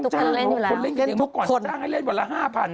เค้าเล่นตุ๊กก่อนคุณจ้างให้เล่นวันละ๕พัน